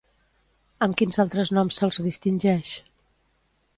Amb quins altres noms se'ls distingeix?